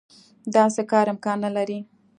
داسې کار امکان نه لري.